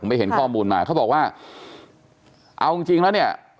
ไปเห็นข้อมูลมาเขาบอกว่าเอาจริงจริงแล้วเนี่ย